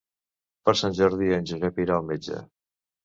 Per Sant Jordi en Josep irà al metge.